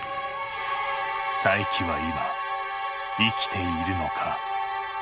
佐伯は今生きているのか？